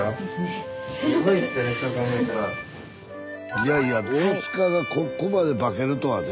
いやいや大がここまで化けるとはね。